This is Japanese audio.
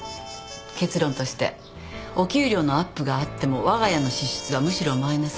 結論としてお給料のアップがあっても我が家の支出はむしろマイナス。